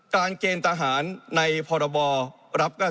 มีกฎหมายที่เป็นกฎหมายเอง